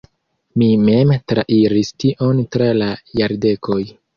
Mi mem trairis tion tra la jardekoj.